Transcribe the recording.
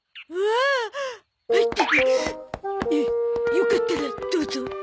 よかったらどうぞ。